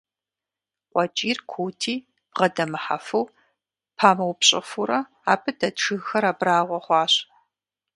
КъуэкӀийр куути, бгъэдэмыхьэфу, памыупщӀыфурэ, абы дэт жыгхэр абрагъуэ хъуащ.